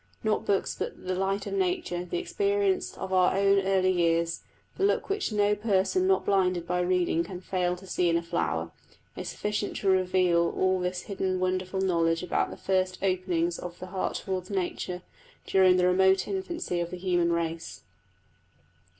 Not books but the light of nature, the experience of our own early years, the look which no person not blinded by reading can fail to see in a flower, is sufficient to reveal all this hidden wonderful knowledge about the first openings of the heart towards nature, during the remote infancy of the human race.